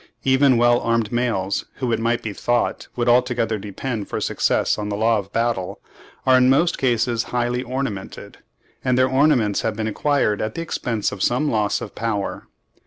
Even well armed males, who, it might be thought, would altogether depend for success on the law of battle, are in most cases highly ornamented; and their ornaments have been acquired at the expense of some loss of power.